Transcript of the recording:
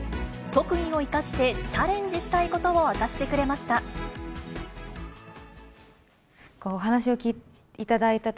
特技を生かして、チャレンジしたいことを明かしてくれました。